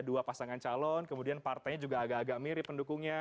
dua pasangan calon kemudian partainya juga agak agak mirip pendukungnya